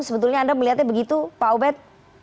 sebetulnya anda melihatnya begitu pak ubed